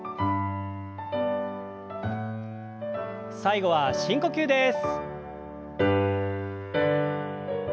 最後は深呼吸です。